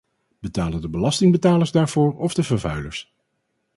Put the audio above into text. Betalen de belastingbetalers daarvoor of de vervuilers?